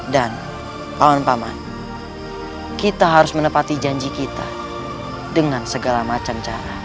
dan paman paman kita harus menepati janji kita dengan segala macam cara